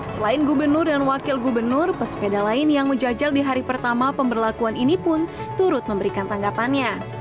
selain gubernur dan wakil gubernur pesepeda lain yang menjajal di hari pertama pemberlakuan ini pun turut memberikan tanggapannya